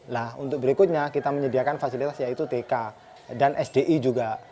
nah untuk berikutnya kita menyediakan fasilitas yaitu tk dan sdi juga